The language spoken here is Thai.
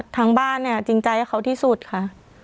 ทางบ้านเนี่ยจริงใจให้เขาที่สุดค่ะ